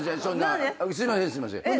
すいませんすいません。